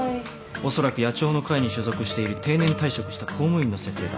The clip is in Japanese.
おそらく野鳥の会に所属している定年退職した公務員の設定だ。